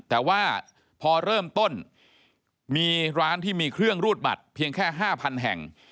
แต่ว่าพอเริ่มต้นมีร้านที่มีเครื่องรูดบัตรเพียงแค่๕๐๐แห่ง